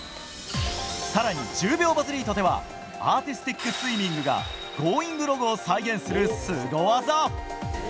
更に、１０秒バズリートではアーティスティックスイミングは「Ｇｏｉｎｇ！」ロゴを再現するスゴ技。